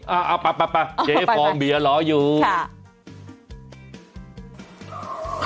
อ่าไปไปเจ๊ฟองเบียร้อยอยู่ค่ะ